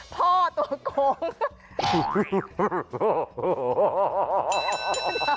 พ่อตัวโกง